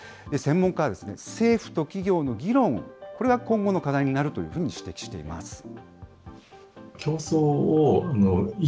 専門家は、政府と企業の議論、これが今後の課題になるというふうに指摘しています。